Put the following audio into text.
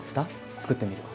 作ってみるわ。